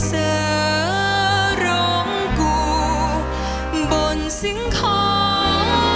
เสือร้องกูบนสิงคอร์